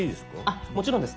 あっもちろんです。